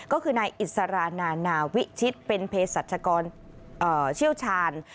ก็คือนายอิสรานานาวิชิตเป็นเพศรัชกรเชี่ยวชาญ